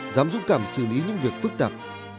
dám dũng cảm xử lý những việc phức tạp